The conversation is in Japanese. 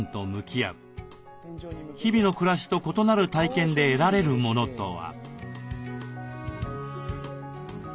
日々の暮らしと異なる体験で得られるものとは？